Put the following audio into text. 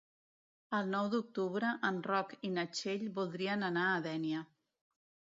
El nou d'octubre en Roc i na Txell voldrien anar a Dénia.